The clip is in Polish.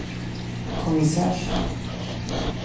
Komisarz -